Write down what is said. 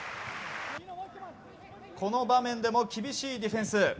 この場面でも厳しいディフェンス。